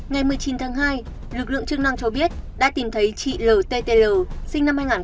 ngày một mươi chín tháng hai lực lượng chức năng cho biết đã tìm thấy chị l t t l sinh năm hai nghìn ba